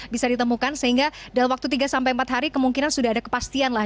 bisa ditemukan sehingga dalam waktu tiga sampai empat hari kemungkinan sudah ada kepastian lah